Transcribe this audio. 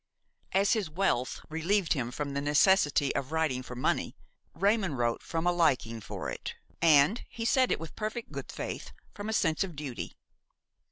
As his wealth relieved him from the necessity of writing for money, Raymon wrote from a liking for it, and–he said it with perfect good faith–from a sense of duty.